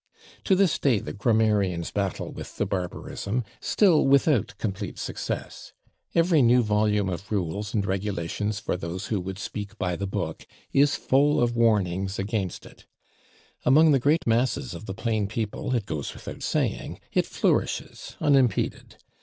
To this day the grammarians battle with the barbarism, still without complete success; every new volume of rules and regulations for those who would speak by the book is full of warnings against it. Among [Pg227] the great masses of the plain people, it goes without saying, it flourishes unimpeded.